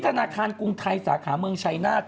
ธนาคารกรุงไทยสาขาเมืองชัยนาธิ